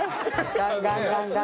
ガンガンガンガン。